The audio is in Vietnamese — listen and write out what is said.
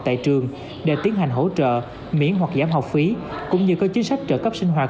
tại trường để tiến hành hỗ trợ miễn hoặc giảm học phí cũng như có chính sách trợ cấp sinh hoạt